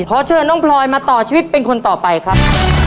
ขอเชิญน้องพลอยมาต่อชีวิตเป็นคนต่อไปครับ